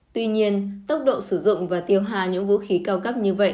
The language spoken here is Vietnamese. tuy nhiên tốc độ sử dụng và tiêu hà những vũ khí cao cấp như vậy